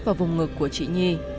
vào vùng ngực của chị n